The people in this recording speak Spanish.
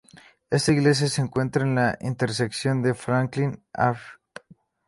Ésta iglesia se encuentra en la intersección de Franklin Ave.